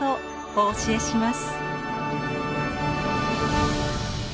お教えします。